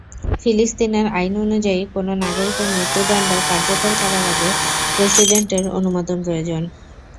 ফিলিস্তিনের আইন অনুযায়ী কোনো নাগরিকের মৃত্যুদণ্ড কার্যকর করার আগে প্রেসিডেন্টের অনুমোদন প্রয়োজন।